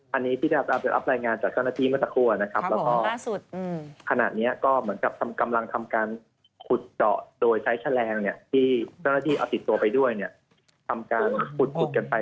อันนี้ที่เราได้รับรายงานจากเจ้าหน้าที่เมื่อสักครู่นะครับแล้วก็ล่าสุดขณะนี้ก็เหมือนกับกำลังทำการขุดเจาะโดยใช้แฉลงเนี่ยที่เจ้าหน้าที่เอาติดตัวไปด้วยเนี่ยทำการขุดกันไป